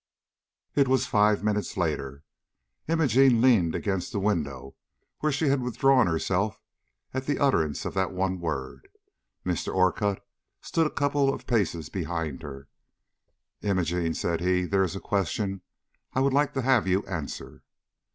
It was five minutes later. Imogene leaned against the window where she had withdrawn herself at the utterance of that one word. Mr. Orcutt stood a couple of paces behind her. "Imogene," said he, "there is a question I would like to have you answer."